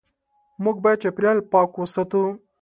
موږ باید چاپېریال پاک وساتو.